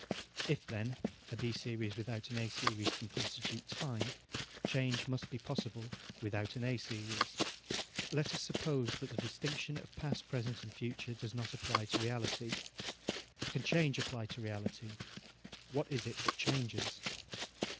If, then, a B series without an A series can constitute time, change must be possible without an A series. Let us suppose that the distinction of past, present and future does not apply to reality. Can change apply to reality? What is it that changes?